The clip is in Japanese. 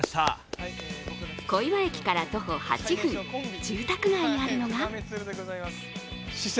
小岩駅から徒歩８分、住宅街にあるのが四川